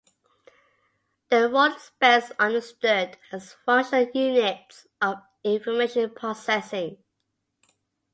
Their role is best understood as 'functional units of information processing.